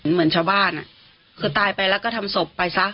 เหมือนชาวบ้านคือตายไปแล้วก็ทำศพไปซะ